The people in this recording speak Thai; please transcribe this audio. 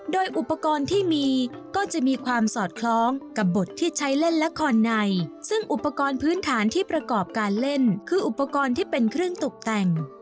โดยอุปกรณ์ที่มีก็จะมีความสอดคล้องกับบทที่ใช้เล่นละครในซึ่งอุปกรณ์พื้นฐานที่ประกอบการเล่นคืออุปกรณ์ที่เป็นเครื่องตกแต่ง